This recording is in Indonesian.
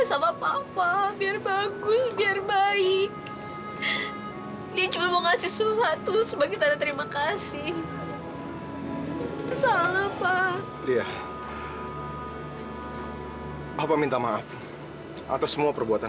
masalah apa papa biar ga sampah papa biar bagus biar baik